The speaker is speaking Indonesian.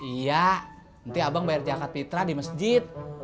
iya nanti abang bayar zakat fitrah di masjid